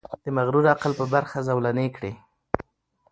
د مغرور عقل په برخه زولنې کړي.